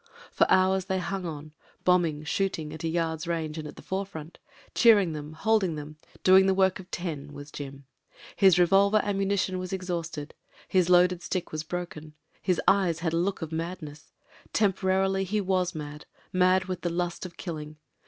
For hours they hung on, bombing, shootings, at a yard's range, and in the forefront, cheering them, hold ing them, doing the work of ten, was Jim. His re volver ammunition was exhausted, his loaded stidc was broken ; his eyes had a look of madness : temporarily he was mad — ^mad with the lust of killing.